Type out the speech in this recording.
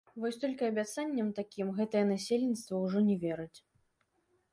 Вось толькі абяцанням такім гэтае насельніцтва ўжо не верыць.